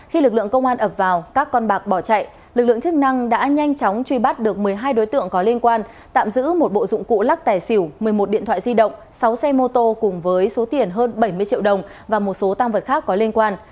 khi lực lượng công an ập vào các con bạc bỏ chạy lực lượng chức năng đã nhanh chóng truy bắt được một mươi hai đối tượng có liên quan tạm giữ một bộ dụng cụ lắc tài xỉu một mươi một điện thoại di động sáu xe mô tô cùng với số tiền hơn bảy mươi triệu đồng và một số tăng vật khác có liên quan